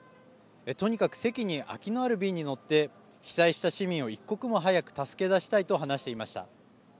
とにかく席に空きのある便に乗って被災した市民を一刻も早く助け出したいと話していました。